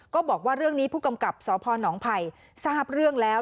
ก็บอกว่าเรื่องนี้ผู้กำกับสพนภัยทราบเรื่องแล้ว